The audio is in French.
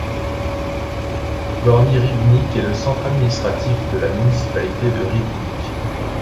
Gornji Ribnik est le centre administratif de la municipalité de Ribnik.